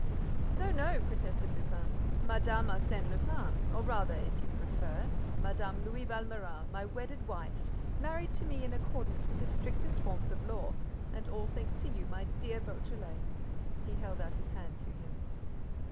"No, no," protested Lupin. "Mme. Arsène Lupin, or rather, if you prefer, Mme. Louis Valméras, my wedded wife, married to me in accordance with the strictest forms of law; and all thanks to you, my dear Beautrelet." He held out his hand to him.